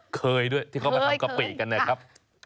เคยด้วยที่เขามาทำกะปิกันนะครับ